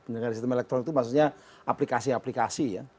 penyelenggaraan sistem elektronik itu maksudnya aplikasi aplikasi ya